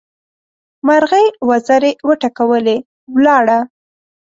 مرغۍ وزرې وټکولې؛ ولاړه.